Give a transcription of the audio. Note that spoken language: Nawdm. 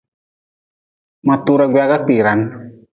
Ma tura gwaga kpiran.